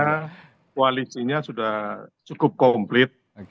karena koalisinya sudah cukup komplit